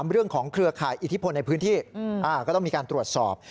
เรื่องของเครือข่ายอิทธิพลในพื้นที่ก็ต้องมีการตรวจสอบ